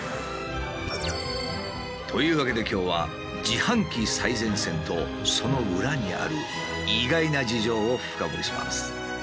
というわけで今日は自販機最前線とその裏にある意外な事情を深掘りします。